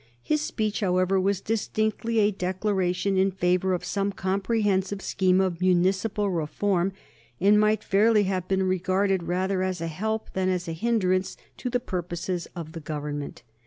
His speech, however, was distinctly a declaration in favor of some comprehensive scheme of municipal reform, and might fairly have been regarded rather as a help than as a hinderance to the purposes of the Government.